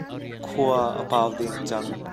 Khua a pau deng cang.